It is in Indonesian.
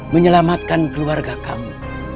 menyelamatkan keluarga kamu